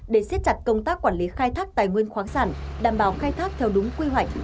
để siết chặt công tác quản lý khai thác tài nguyên khoáng sản đảm bảo khai thác theo đúng quy hoạch